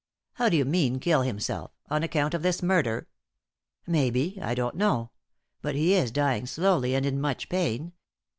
"How do you mean kill himself on account of this murder?" "Maybe I don't know. But he is dying slowly, and in much pain.